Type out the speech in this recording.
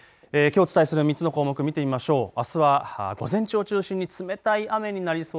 きょうお伝えする３つの項目見てみましょう。